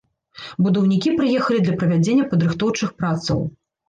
Будаўнікі прыехалі для правядзення падрыхтоўчых працаў.